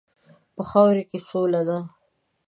په خاوره کې سوله ده.